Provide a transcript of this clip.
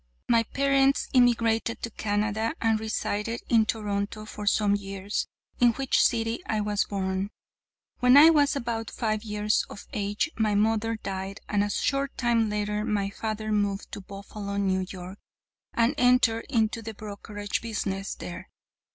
"'My parents emigrated to Canada and resided in Toronto for some years, in which city I was born. When I was about five years of age my mother died, and a short time later my father moved to Buffalo, N. Y., and entered into the brokerage business there.